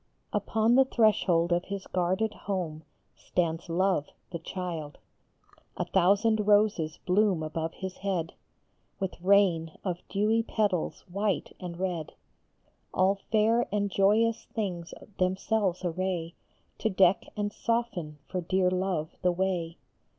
PON the threshold of his guarded home Stands Love the child. A thousand roses bloom above his head With rain of dewy petals white and red ; All fair and joyous things themselves array To deck and soften for dear Love the way.